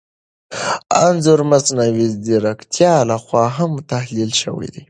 انځور د مصنوعي ځیرکتیا لخوا هم تحلیل شوی دی.